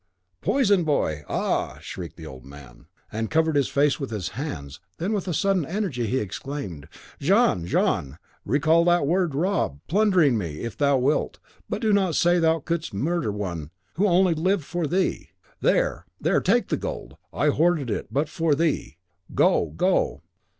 "Poison, boy! Ah!" shrieked the old man, and covered his face with his hands; then, with sudden energy, he exclaimed, "Jean! Jean! recall that word. Rob, plunder me if thou wilt, but do not say thou couldst murder one who only lived for thee! There, there, take the gold; I hoarded it but for thee. Go! go!"